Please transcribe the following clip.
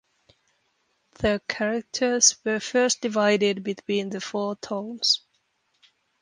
The characters were first divided between the four tones.